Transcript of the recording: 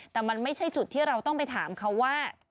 แต่มันไม่ใช่จุดที่เราต้องไปถามเขาว่า